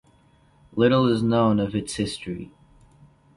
Little is known of its history.